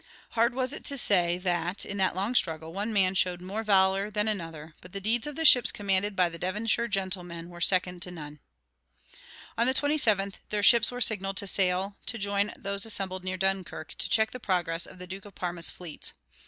Hard was it to say that, in that long struggle, one man showed more valor than another, but the deeds of the ships commanded by the Devonshire gentlemen were second to none. On the 27th their ships were signaled to sail to join those assembled near Dunkirk, to check the progress of the Duke of Parma's fleet.